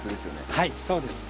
はいそうです。